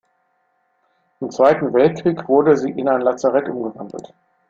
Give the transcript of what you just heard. Im Zweiten Weltkrieg wurde sie in ein Lazarett umgewandelt.